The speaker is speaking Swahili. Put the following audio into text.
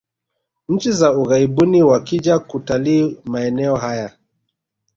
nchi za ughaibuni wakija kutalii maeneo haya